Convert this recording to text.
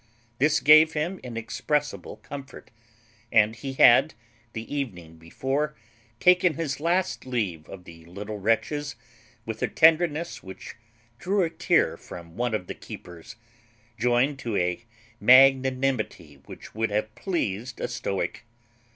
This gave him inexpressible comfort, and he had, the evening before, taken his last leave of the little wretches with a tenderness which drew a tear from one of the keepers, joined to a magnanimity which would have pleased a stoic.